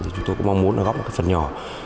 thì chúng tôi cũng mong muốn nó góp một cái phần nhỏ